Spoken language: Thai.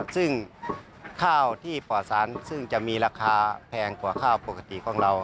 ซึ่งข้าวที่ปลอดสารซึ่งจะมีราคาแพงกว่าข้าวปกติของเรา